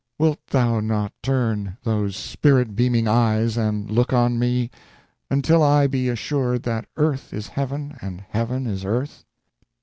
... wilt thou not turn Those spirit beaming eyes and look on me. Until I be assured that Earth is Heaven And Heaven is Earth?